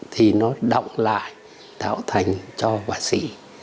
thì nó động lại tạo thành cho và xỉ